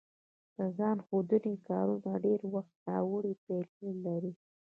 د ځان ښودنې کارونه ډېری وخت ناوړه پایله لري